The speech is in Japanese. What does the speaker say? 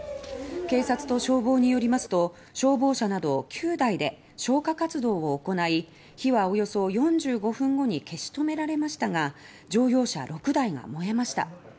警察と消防によりますと消防車など９台で消火活動を行い火はおよそ４５分後に消し止められましたが乗用車６台が燃えました。